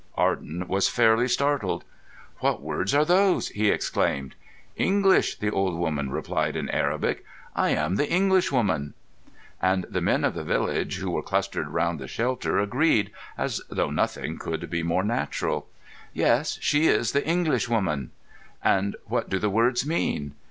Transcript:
Arden was fairly startled. "What words are those?" he exclaimed. "English," the old woman replied in Arabic. "I am the Englishwoman." And the men of the village who were clustered round the shelter agreed, as though nothing could be more natural: "Yes, she is the Englishwoman." "And what do the words mean?"